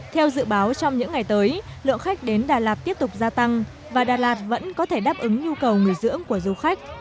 theo dự báo trong những ngày tới lượng khách đến đà lạt tiếp tục gia tăng và đà lạt vẫn có thể đáp ứng nhu cầu người dưỡng của du khách